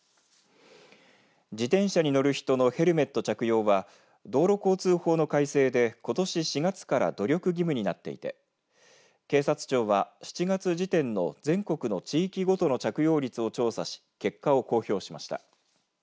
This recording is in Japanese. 自転車に乗る人のヘルメット着用は道路交通法の改正でことし４月から努力義務になっていて警察庁は７月時点の全国の地域ごとの着用率を調査し結果を公表しました。